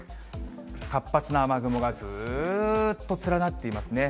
活発な雨雲が、ずーっと連なっていますね。